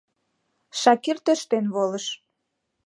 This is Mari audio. Шакир тӧрштен волыш.